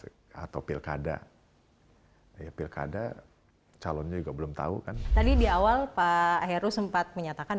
hai atau pilkada hai ya pilkada calon juga belum tahu kan tadi di awal pak heru sempat menyatakan